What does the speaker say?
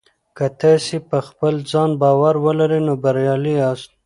که تاسي په خپل ځان باور ولرئ نو بریالي یاست.